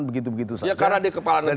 begitu begitu saja ya karena dia kepala negara